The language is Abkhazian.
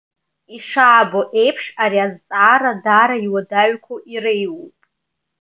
Ишаабо еиԥш, ари азҵаара даара иуадаҩқәоу иреиуоуп.